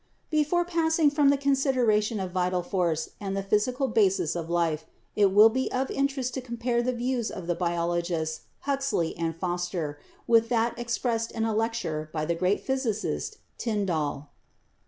Before passing from the consideration of vital force and the physical basis of life, it will be of interest to compare the views of the biologists Huxley and Foster with that expressed in a lecture by the great physicist, Tyndall.